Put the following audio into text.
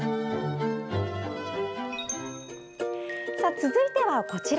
続いては、こちら。